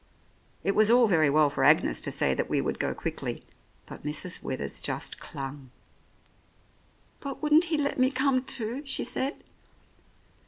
It was all very well for Agnes to say that we would go quickly, but Mrs. Withers just clung. "But wouldn't he let me come too?" she said.